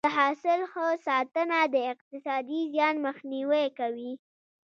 د حاصل ښه ساتنه د اقتصادي زیان مخنیوی کوي.